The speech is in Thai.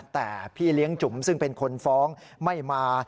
แต่พี่เลี้ยงจุ๋มซึ่งเป็นคนฟ้องไม่มา